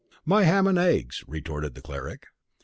"My ham and eggs," retorted the cleric.